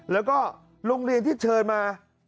แล้วก็โรงเรียนที่เชิญมา